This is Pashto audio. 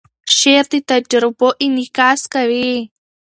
شعر د تجربو انعکاس کوي.